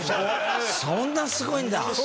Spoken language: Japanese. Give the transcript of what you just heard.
そんなすごいんだ。